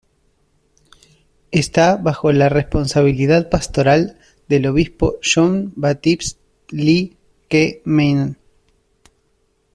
Está bajo la responsabilidad pastoral del obispo John Baptist Lee Keh-mien.